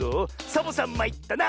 「サボさんまいったな」！